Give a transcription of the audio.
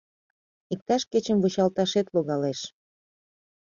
— Иктаж кечым вучалташет логалеш.